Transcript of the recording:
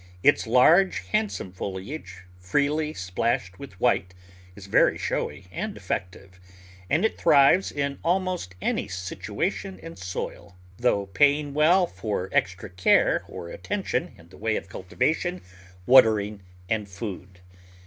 Its large, handsome foliage, freely splashed with white, is very showy and effective, and it thrives in almost any sit uation and soil, though paying well for extra care or attention in the way of cultivation, watering, and food.